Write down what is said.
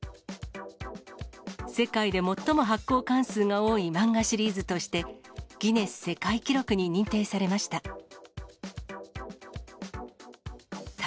世界で最も発行巻数が多い漫画シリーズとして、ギネス世界記録に認定されました。